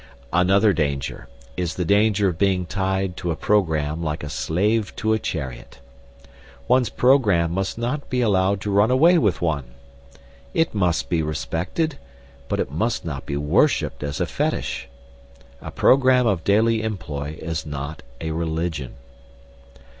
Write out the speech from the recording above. Another danger is the danger of being tied to a programme like a slave to a chariot. One's programme must not be allowed to run away with one. It must be respected, but it must not be worshipped as a fetish. A programme of daily employ is not a religion.